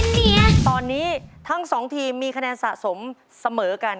เสียตอนนี้ทั้งสองทีมมีคะแนนสะสมเสมอกัน